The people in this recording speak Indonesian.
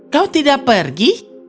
kau tidak pergi